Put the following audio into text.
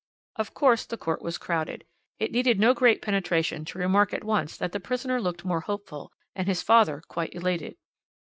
Of course the court was crowded. It needed no great penetration to remark at once that the prisoner looked more hopeful, and his father quite elated.